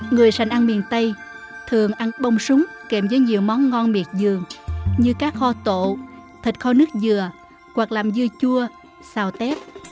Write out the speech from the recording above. người sành ăn miền tây thường ăn bông súng kèm với nhiều món ngon miệt dường như các kho tổ thịt kho nước dừa hoặc làm dưa chua sao tép